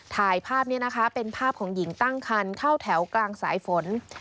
ถ่ายภาพนี้นะคะเป็นภาพของหญิงตั้งคันเข้าแถวกลางสายฝน